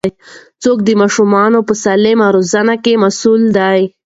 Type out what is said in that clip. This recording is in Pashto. څوک د ماشومانو په سالمې روزنې کې مسوول دي؟